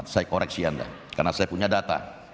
saya koreksi anda karena saya punya data